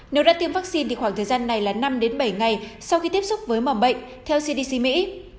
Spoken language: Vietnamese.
nếu đã tiêm vaccine thì khoảng thời gian này là năm bảy ngày sau khi tiếp xúc với mầm bệnh theo cdc mỹ